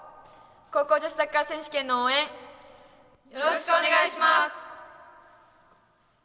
高校女子サッカー選手権の応援よろしくお願いします。